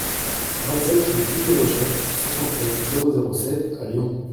vingt-sept rue Élie Rochette, soixante-neuf, zéro zéro sept à Lyon